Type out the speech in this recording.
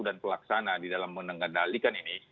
dan pelaksana di dalam mengendalikan ini